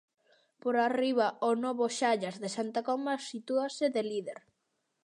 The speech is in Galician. Por arriba o novo Xallas de Santa Comba sitúase de líder.